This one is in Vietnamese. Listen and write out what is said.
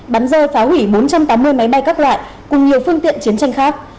bắn rơi phá hủy bốn trăm tám mươi máy bay các loại cùng nhiều phương tiện chiến tranh khác